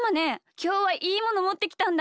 きょうはいいものもってきたんだ。